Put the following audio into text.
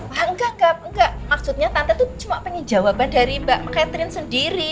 ah enggak enggak enggak maksudnya tante tuh cuma pengen jawaban dari mbak catherine sendiri